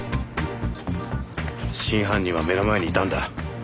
真犯人は目の前にいたんだ。